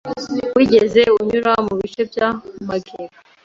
Wigeze unyura mu bice bya Magellan?